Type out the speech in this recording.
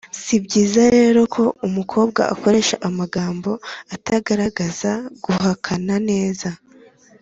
si byiza rero ko umukobwa akoresha amagambo atagaragaza guhakana neza.